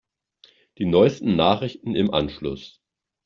Die neusten Nachrichten im Anschluss.